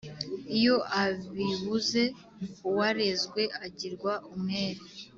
Iyo abibuze uwarezwe agirwa umwere